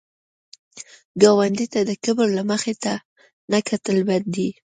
ګاونډي ته د کبر له مخې نه کتل بد دي